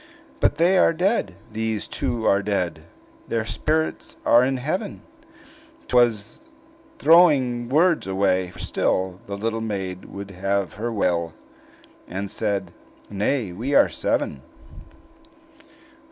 "But they are dead; these two are dead! Their spirits are in heaven!" 'T was throwing words away; for still The little maid would have her will, And said, "Nay, we are seven!"